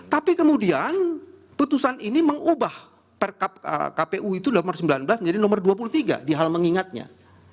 tapi kemudian putusan ini mengubah per kpu itu nomor sembilan belas menjadi nomor dua puluh tiga di hal mengingatnya